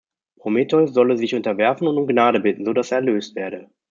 Prometheus solle sich unterwerfen und um Gnade bitten, so dass er erlöst werde.